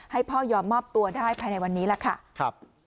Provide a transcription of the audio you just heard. ให้พ่อยอมมอบตัวได้ภายในวันนี้ล่ะค่ะ